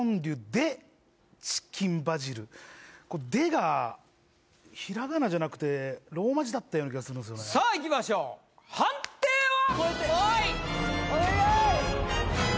「ｄｅ」がひらがなじゃなくてローマ字だったような気がするんですよねさあいきましょう判定は？